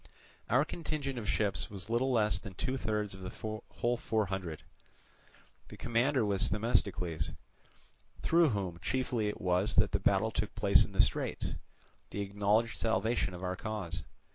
Our contingent of ships was little less than two thirds of the whole four hundred; the commander was Themistocles, through whom chiefly it was that the battle took place in the straits, the acknowledged salvation of our cause.